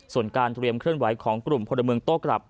ส่วนการเตรียมเคลื่อนไหวของกลุ่มพลเมืองโต้กลับ